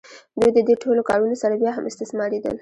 دوی د دې ټولو کارونو سره بیا هم استثماریدل.